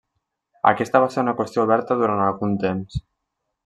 Aquesta va ser una qüestió oberta durant algun temps.